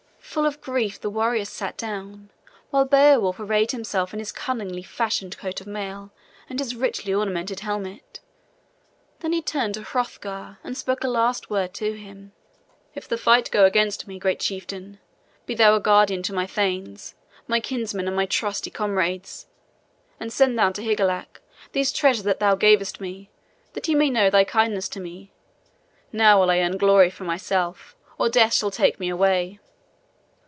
Full of grief, the warriors sat down, while Beowulf arrayed himself in his cunningly fashioned coat of mail and his richly ornamented helmet. Then he turned to Hrothgar and spoke a last word to him. "If the fight go against me, great chieftain, be thou a guardian to my thanes, my kinsmen and my trusty comrades; and send thou to Higelac those treasures that thou gavest me, that he may know thy kindness to me. Now will I earn glory for myself, or death shall take me away."